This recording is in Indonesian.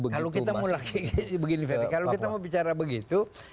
kalau kita mau bicara begitu